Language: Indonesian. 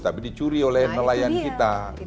tapi dicuri oleh nelayan kita